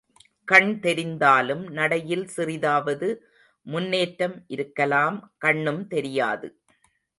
கண் தெரிந்தாலும் நடையில் சிறிதாவது முன்னேற்றம் இருக்கலாம் கண்ணும் தெரியாது.